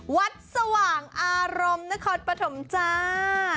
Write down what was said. สว่างอารมณ์นครปฐมจ้า